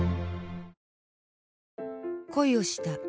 恋をした。